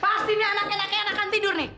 pas ini anak anaknya anak anaknya tidur nih